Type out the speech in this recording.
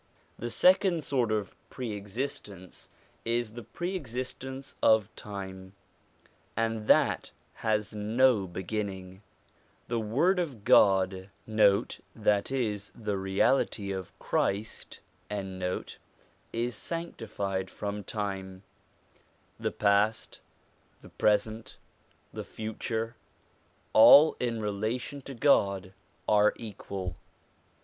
The second sort of pre existence is the pre existence of time, and that has no beginning. The Word of God 1 is sanctified from time. The past, the present, the future, all, in relation to God, are equal.